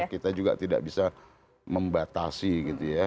kita juga tidak bisa membatasi gitu ya